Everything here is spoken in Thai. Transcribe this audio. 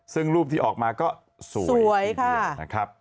ซึ่งรูปที่ออกมาสวยครับ